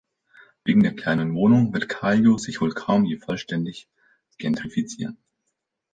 Wegen der kleinen Wohnungen wird Kallio sich wohl kaum je vollständig gentrifizieren.